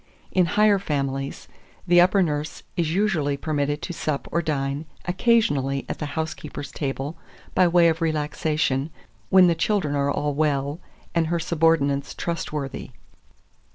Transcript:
In higher families, the upper nurse is usually permitted to sup or dine occasionally at the housekeeper's table by way of relaxation, when the children are all well, and her subordinates trustworthy.